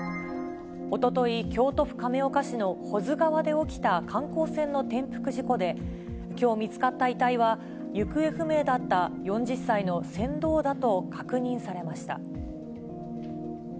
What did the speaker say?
おととい、京都府亀岡市の保津川で起きた観光船の転覆事故で、きょう見つかった遺体は、行方不明だった４０歳の船頭だと確認されました。